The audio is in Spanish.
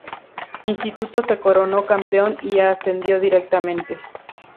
Instituto se coronó campeón y ascendió directamente.